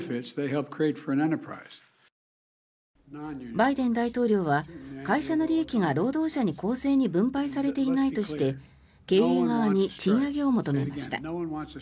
バイデン大統領は会社の利益が労働者に公正に分配されていないとして経営側に賃上げを求めました。